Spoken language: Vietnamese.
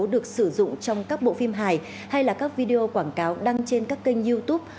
được sử dụng trong các bộ phim hài hay là các video quảng cáo đăng trên các kênh youtube